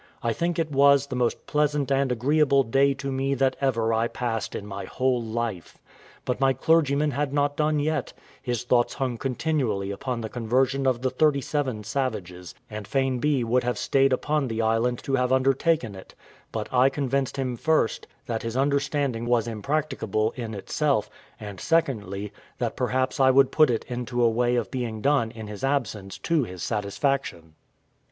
I think it was the most pleasant and agreeable day to me that ever I passed in my whole life. But my clergyman had not done yet: his thoughts hung continually upon the conversion of the thirty seven savages, and fain be would have stayed upon the island to have undertaken it; but I convinced him, first, that his undertaking was impracticable in itself; and, secondly, that perhaps I would put it into a way of being done in his absence to his satisfaction.